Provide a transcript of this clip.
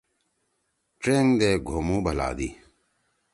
ڇینگ دے گھومُو بھلادی۔